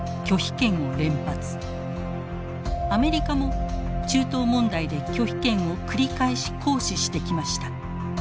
アメリカも中東問題で拒否権を繰り返し行使してきました。